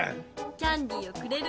「キャンディーをくれる」。